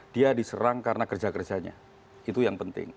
dia diserang karena kerja kerjanya itu yang penting